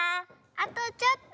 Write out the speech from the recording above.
あとちょっと。